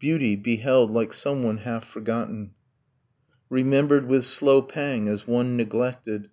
Beauty; beheld like someone half forgotten, Remembered, with slow pang, as one neglected